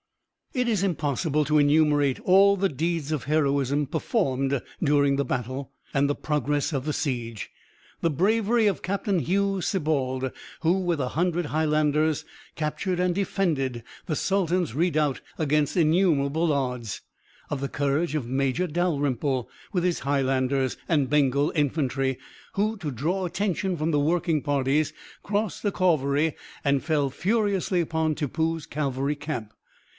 It is impossible to enumerate all the deeds of heroism performed during the battle and the progress of the siege the bravery of Captain Hugh Sibbald, who, with a hundred Highlanders, captured and defended the sultan's redoubt against innumerable odds; of the courage of Major Dalrymple, with his Highlanders and Bengal infantry, who, to draw attention from the working parties, crossed the Cauvery, and fell furiously upon Tippoo's cavalry camp.